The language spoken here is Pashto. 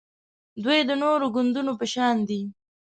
دوی د نورو ګوندونو په شان دي